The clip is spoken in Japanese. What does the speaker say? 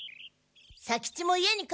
左吉も家に帰るの？